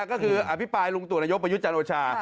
ก็คืออภิปรายลุงตู่นายกประยุทธ์จันทร์โอชา